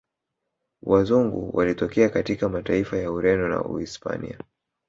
Wazungu walitokea katika mataifa ya Ureno na uhispania